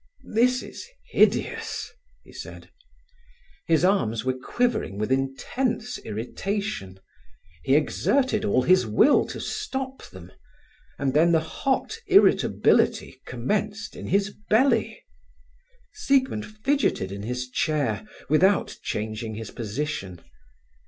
"This is hideous!" he said. His arms were quivering with intense irritation. He exerted all his will to stop them, and then the hot irritability commenced in his belly. Siegmund fidgeted in his chair without changing his position.